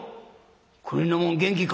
くにのもん元気か？」。